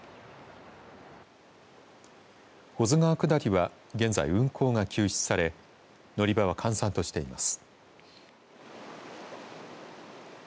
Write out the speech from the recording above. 保津川下りは現在、運航が休止され乗り場は閑散としています。